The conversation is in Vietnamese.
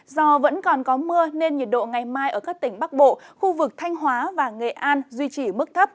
do vẫn còn có mưa nên nhiệt độ ngày mai ở các tỉnh bắc bộ khu vực thanh hóa và nghệ an duy trì mức thấp